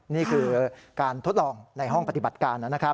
นี่คือการทดลองในห้องปฏิบัติการนะครับ